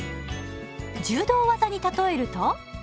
柔道技に例えると？